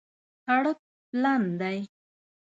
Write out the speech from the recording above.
سړک پلن دی